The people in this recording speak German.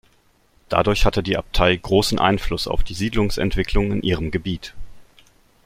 Dadurch hatte die Abtei großen Einfluss auf die Siedlungsentwicklung in ihrem Gebiet.